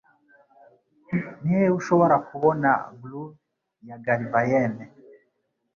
Ni he ushobora kubona Groove ya Galvayne?